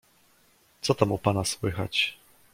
"Co tam u pana słychać?"